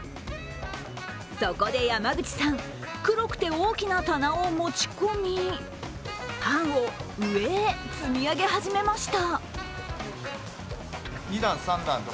そこで山口さん、黒くて大きな棚を持ち込み、パンを上へ積み上げ始めました。